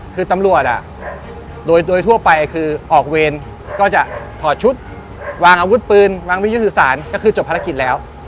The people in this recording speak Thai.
คือตำรวจโดยทั่วไปคือออกเวรก็จะถอดชุดวางอาวุธปืนวางวิทยุสื่อสารก็คือจบภารกิจแล้ว